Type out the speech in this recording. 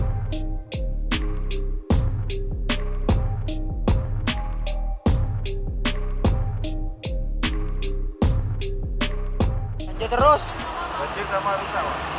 lanjut sama rusak pak